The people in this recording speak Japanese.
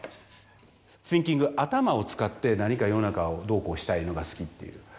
シンキング頭を使って何か世の中をどうこうしたいのが好きっていう。